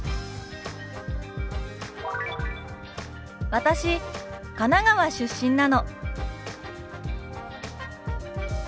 「私神奈川出身なの」。